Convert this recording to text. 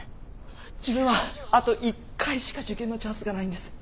自分はあと１回しか受験のチャンスがないんです。